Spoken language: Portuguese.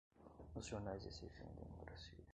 Os jornais exigiam democracia.